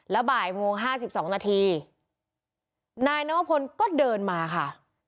แล้วบ่ายโมง๕๒นาทีนายน้องอพลก็เดินมาค่ะ